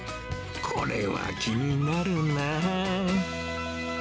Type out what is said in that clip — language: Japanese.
これは気になるなー。